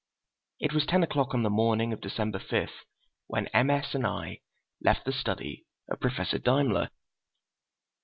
It was ten o'clock on the morning of December 5 when M. S. and I left the study of Professor Daimler.